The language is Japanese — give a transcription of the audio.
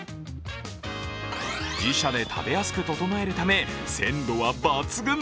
自社で食べやすく整えるため、鮮度は抜群。